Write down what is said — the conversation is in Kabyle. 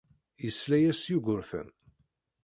Yesla-as Yugurten.